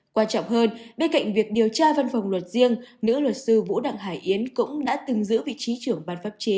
quan trọng hơn bên cạnh việc điều tra văn phòng luật riêng nữ luật sư vũ đặng hải yến cũng đã từng giữ vị trí trưởng ban pháp chế